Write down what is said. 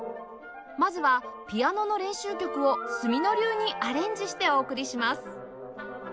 まずはピアノの練習曲を角野流にアレンジしてお送りします